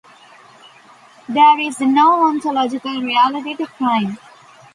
There is no ontological reality to crime.